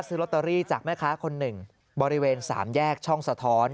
ซื้อลอตเตอรี่จากแม่ค้าคนหนึ่งบริเวณสามแยกช่องสะท้อน